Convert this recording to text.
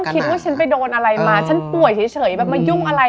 ทำไมต้องคิดว่าฉันไปโดนอะไรมาฉันป่วยเฉยมายุ่งอะไร